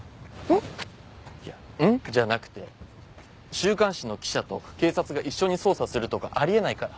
週刊誌の記者と警察が一緒に捜査するとかあり得ないから。